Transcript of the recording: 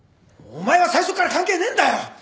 お前は最初から関係ねえんだよ！